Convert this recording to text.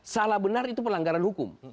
salah benar itu pelanggaran hukum